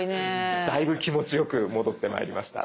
だいぶ気持ちよく戻ってまいりました。